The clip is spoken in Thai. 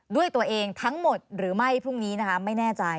ด้วยตัวเองทั้งหมดหรือไม่พรุ่งนี้นะคะไม่แน่ใจ